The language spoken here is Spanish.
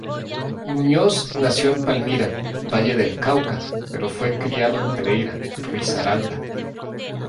Muñoz nació en Palmira, Valle del Cauca, pero fue criado en Pereira, Risaralda.